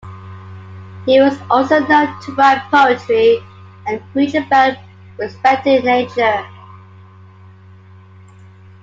He was also known to write poetry, and preach about respecting nature.